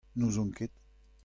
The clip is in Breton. N'ouzon ket !